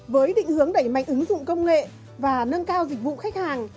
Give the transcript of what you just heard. với định hướng đẩy mạnh ứng dụng công nghệ và nâng cao dịch vụ khách hàng